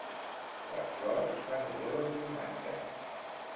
Les flors fan olor de formatge.